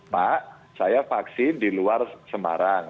pak saya vaksin di luar semarang